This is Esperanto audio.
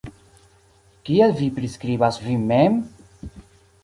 Kiel vi priskribas vin mem?